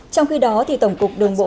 trong khi đó tổng cục đường bộ